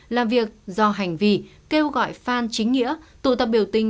làm việc do hành vi kêu gọi phan chính nghĩa tụ tập biểu tình